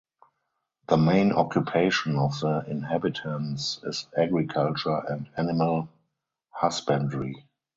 The main occupation of the inhabitants is agriculture and animal husbandry.